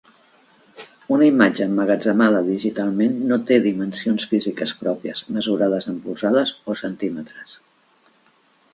Una imatge emmagatzemada digitalment no té dimensions físiques pròpies, mesurades en polzades o centímetres.